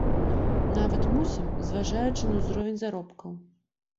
Нават мусім, зважаючы на ўзровень заробкаў.